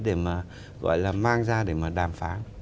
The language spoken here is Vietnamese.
để mà gọi là mang ra để mà đàm phán